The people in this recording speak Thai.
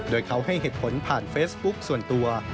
โดยเขาให้เหตุผลผ่านเฟซบุ๊คส่วนตัว